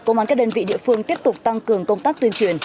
công an các đơn vị địa phương tiếp tục tăng cường công tác tuyên truyền